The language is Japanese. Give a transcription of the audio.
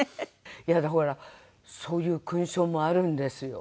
いやだからほらそういう勲章もあるんですよ。